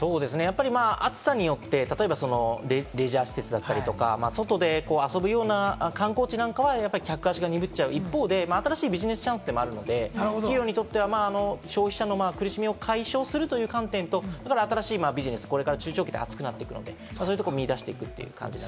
暑さによってレジャー施設だったりとか、外で遊ぶような観光地なんかは、客足が鈍っちゃう一方で、新しいビジネスチャンスでもあるので、企業にとっては消費者の苦しみを解消するという観点と、新しいビジネス、これから中長期で暑くなっていくので、そういうところを見出していく。